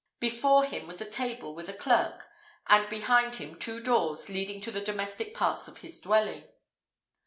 Before him was a table with a clerk, and behind him two doors leading to the domestic parts of his dwelling.